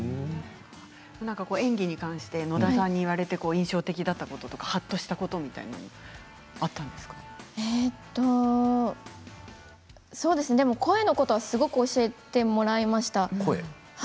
演技に関して、野田さんに言われて印象的だったこととかはっとしたことというのはえーと声のことはすごく教えてもらいました。